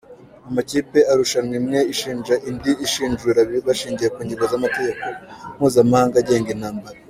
Amakipe arushanwa imwe ishinja indi ishinjura, bashingiye ku ngingo z’amategeko mpuzamahanga agenga intambara.